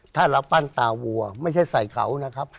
ถ้าเราปั้นตาวัวไม่ใช่ใส่เขานะครับ